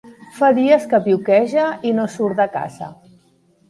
Fa dies que pioqueja i no surt de casa.